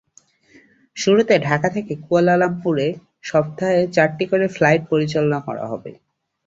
শুরুতে ঢাকা থেকে কুয়ালালামপুরে সপ্তাহে চারটি করে ফ্লাইট পরিচালনা করা হবে।